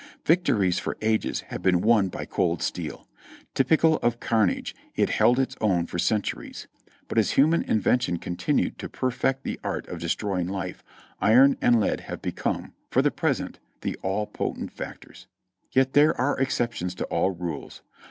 Victories for ages have been won by cold steel. Typical of carnage, it held its own for centuries; but as human invention continued to perfect the art of destroying life, iron and lead have become, for the present, the all potent factors. Yet there are exceptions to all rules.